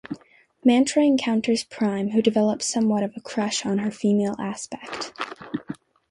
Mantra encounters Prime who develops somewhat of a crush on her female aspect.